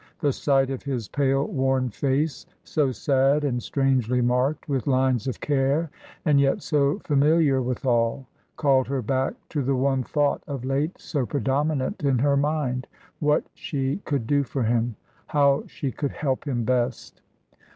The sight of his pale worn face, so sad and strangely marked with lines of care, and yet so familiar withal, called her back to the one thought of late so predominant in her mind : what she could do for him, how she could help him best.